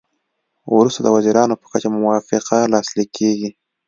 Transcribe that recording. وروسته د وزیرانو په کچه موافقه لاسلیک کیږي